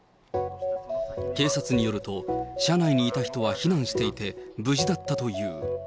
警察によると、車内にいた人は避難していて無事だったという。